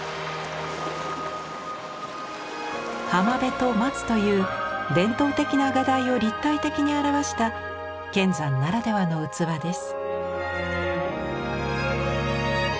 浜辺と松という伝統的な画題を立体的に表した乾山ならではの器です。